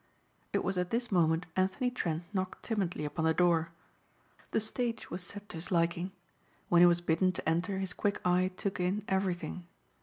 It was at this moment Anthony Trent knocked timidly upon the door. The stage was set to his liking. When he was bidden to enter his quick eye took in everything.